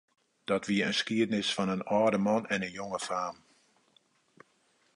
Dat wie in skiednis fan in âlde man en in jonge faam.